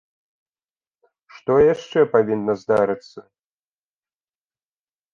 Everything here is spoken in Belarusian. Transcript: Што яшчэ павінна здарыцца?